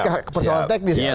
ke persoalan teknis